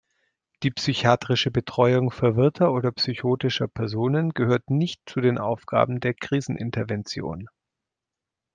Die psychiatrische Betreuung verwirrter oder psychotischer Personen gehört nicht zu den Aufgaben der Krisenintervention.